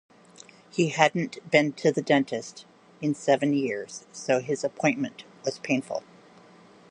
He hadn't been to the dentist in seven years so his appointment was painful.